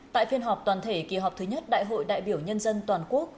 tại phiên họp toàn thể kỳ họp thứ nhất đại hội đại biểu nhân dân toàn quốc